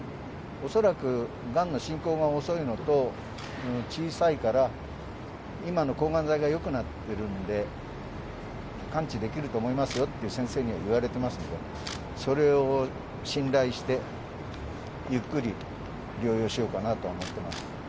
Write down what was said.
恐らくがんが進行が遅いのと、小さいから、今の抗がん剤がよくなってるんで、完治できると思いますよって先生には言われてますので、それを信頼して、ゆっくり療養しようかなとは思ってます。